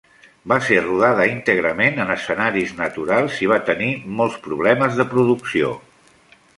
Va ser rodada íntegrament en escenaris naturals i va tenir molts problemes de producció.